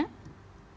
kemudian ada surat